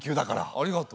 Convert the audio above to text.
ありがとう。